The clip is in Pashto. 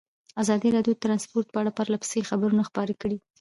ازادي راډیو د ترانسپورټ په اړه پرله پسې خبرونه خپاره کړي.